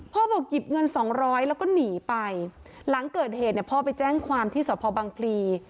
บอกหยิบเงินสองร้อยแล้วก็หนีไปหลังเกิดเหตุเนี่ยพ่อไปแจ้งความที่สพบังพลี